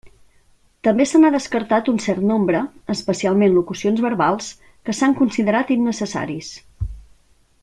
També se n'ha descartat un cert nombre, especialment locucions verbals, que s'han considerat innecessaris.